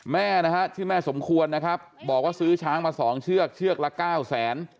แม่ที่แม่สมควรนะครับบอกว่าซื้อช้างมา๒เชือกชื่อกละ๙๐๐๐๐๐